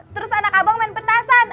terus anak abang main petasan